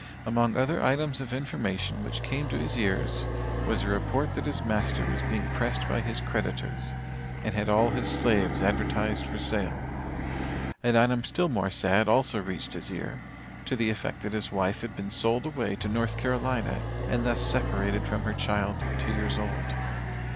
Among other items of information which came to his ears, was a report that his master was being pressed by his creditors, and had all his slaves advertised for sale. An item still more sad also reached his ear, to the effect that his wife had been sold away to North Carolina, and thus separated from her child, two years old.